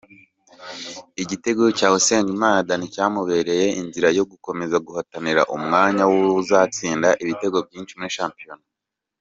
Igitego cya Usengimana Danny cyamubereye inziora yo gukomeza guhatanira umwanya w'uwuzatsinda ibitego byinshi muri shampiyona